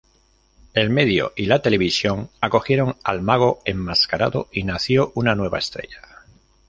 El medio y la televisión acogieron al Mago Enmascarado y nació una nueva estrella.